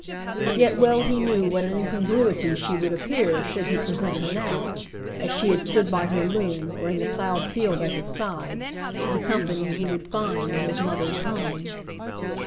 Yet well he knew what an incongruity she would appear should he present her now — as she had stood by her loom, or in the ploughed field at his side — to the company he would find in his mother's home.